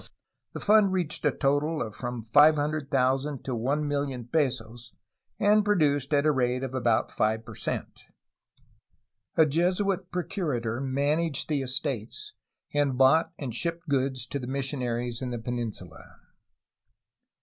The fund reached a total of from 500,000 to 1,000,000 pesos ^ and produced at a rate of about 5 per cent. A Jesuit pro curator managed the estates, and bought and shipped goods to the missionaries in the peninsula.